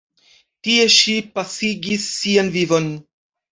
Tie ŝi pasigis sian vivon.